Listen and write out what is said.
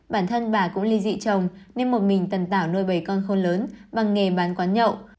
bản thân bà cũng ly dị chồng nên một mình tần tảo nơi bầy con khôn lớn bằng nghề bán quán nhậu